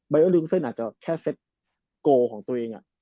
บายเออร์ลิวคูเซ็นอาจจะแค่เซ็ตโกลของตัวเองอ่ะ